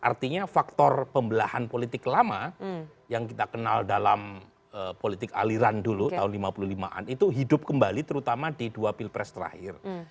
artinya faktor pembelahan politik lama yang kita kenal dalam politik aliran dulu tahun seribu sembilan ratus lima puluh lima an itu hidup kembali terutama di dua pilpres terakhir